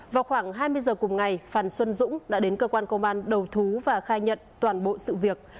vào khoảng hai mươi giờ cùng ngày phan xuân dũng đã đến cơ quan công an đầu thú và khai nhận toàn bộ sự việc